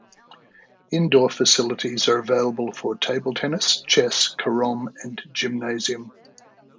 Indoor facilities are available for table tennis, chess, carom and gymnasium.